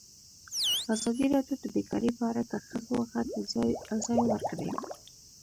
ازادي راډیو د بیکاري په اړه د ښځو غږ ته ځای ورکړی.